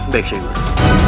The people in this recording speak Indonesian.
baik syeh guru